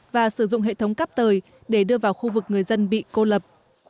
và sử dụng hệ thống cắp tời để đưa vào khu vực người dân bị cô lập